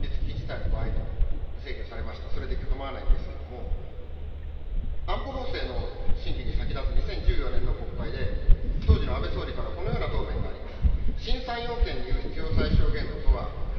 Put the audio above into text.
今、第３要件の集団的自衛権行使の場合、存立危機事態の場合と整理をされました、それで構わないのですけれども、安保法制の審議に先立つ２０１４年の国会で、当時の安倍総理から、このような答弁があります。